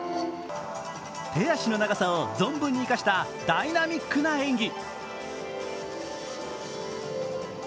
手足の長さを存分に生かしたダイナミックな演技。